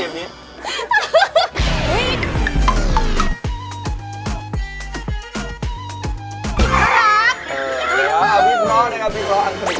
อึเพราะพี่เพราะเพราะวางพริก